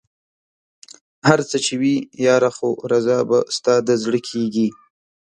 هر څه چې وي ياره خو رضا به ستا د زړه کېږي